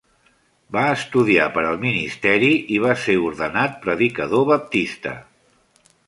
Va estudiar per al ministeri i va ser ordenat predicador baptista.